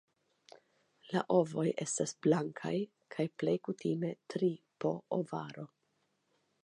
La ovoj estas blankaj kaj plej kutime tri po ovaro.